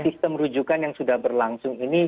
sistem rujukan yang sudah berlangsung ini